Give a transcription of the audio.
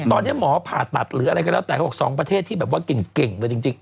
ตอนนี้หมอผ่าตัดหรืออะไรก็แล้วแต่เขาบอกสองประเทศที่แบบว่าเก่งเลยจริง